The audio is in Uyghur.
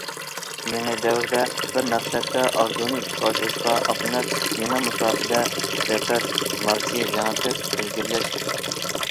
يېڭى دەۋردە بىر مەقسەتتە ئارزۇنى ئىشقا ئاشۇرۇشقا ئاتلىنىپ، يېڭى مۇساپىدە زەپەر مارشى ياڭرىتىپ ئىلگىرىلەش.